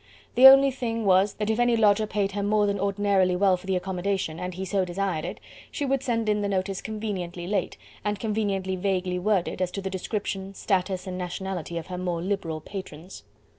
The only thing was that if any lodger paid her more than ordinarily well for the accommodation and he so desired it, she would send in the notice conveniently late, and conveniently vaguely worded as to the description, status and nationality of her more liberal patrons.